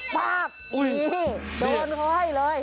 ปากโดนคอยเลย